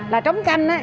là trống canh á